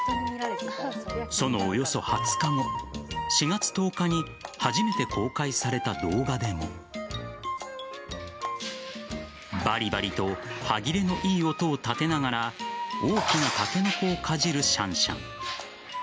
そのおよそ２０日後４月１０日に初めて公開された動画でもバリバリと歯切れの良い音を立てながら大きなタケノコをかじるシャンシャン。